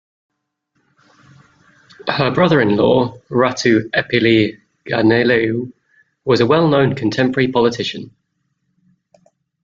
Her brother-in-law, Ratu Epeli Ganilau, was a well-known contemporary politician.